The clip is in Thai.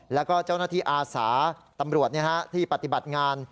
แล้วก็เจ้าหน้าที่อาสาตำรวจที่ปฏิบัติงาน